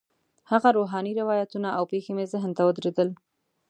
هغه روحاني روایتونه او پېښې مې ذهن ته ودرېدل.